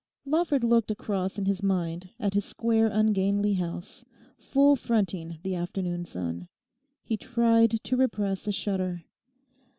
Lawford looked across in his mind at his square ungainly house, full fronting the afternoon sun. He tried to repress a shudder.